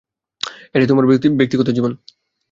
এটাই তোমার ব্যক্তিগত জীবন।